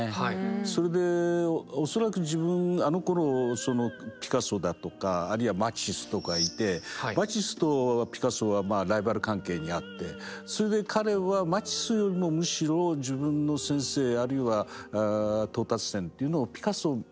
それで恐らくあのころピカソだとかあるいはマティスとかいてマティスとピカソはライバル関係にあってそれで彼はマティスよりもむしろ自分の先生あるいは到達点というのをピカソの方向に見つけたんだと思いますね。